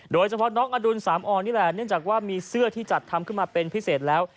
โดยเฉพาะน้องอดุลสามออนนี่แหละเนื่องจากว่ามีเสื้อที่จัดทำขึ้นมาเป็นพิเศษแล้ว